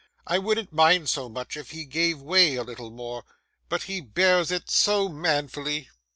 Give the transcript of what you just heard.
I wouldn't mind so much if he gave way a little more; but he bears it so manfully.